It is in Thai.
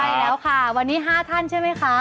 ใช่แล้วค่ะวันนี้๕ท่านใช่ไหมคะ